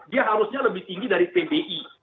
dia harusnya lebih tinggi dari pbi